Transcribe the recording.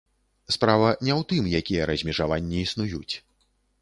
Справа не ў тым, якія размежаванні існуюць.